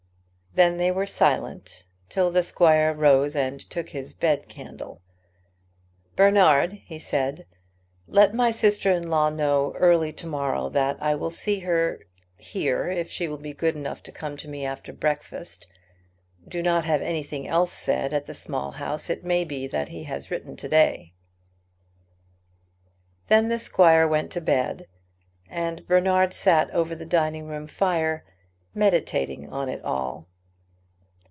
Then they were silent, till the squire rose and took his bed candle. "Bernard," he said, "let my sister in law know early to morrow that I will see her here, if she will be good enough to come to me after breakfast. Do not have anything else said at the Small House. It may be that he has written to day." Then the squire went to bed, and Bernard sat over the dining room fire, meditating on it all.